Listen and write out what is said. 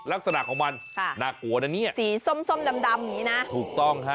ลักษณะของมันน่ากลัวนะเนี่ยสีส้มดำอย่างนี้นะถูกต้อง